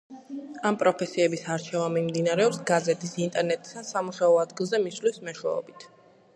ამ პროფესიების არჩევა მიმდინარეობს გაზეთის, ინტერნეტის ან სამუშაო ადგილზე მისვლის მეშვეობით.